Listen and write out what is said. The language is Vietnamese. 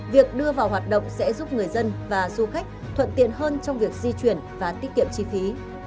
việc đưa vào hoạt động sẽ giúp người dân và du khách thuận tiện hơn trong việc di chuyển và tiết kiệm chi phí